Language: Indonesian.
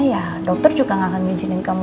ya dokter juga ga akan izinin kamu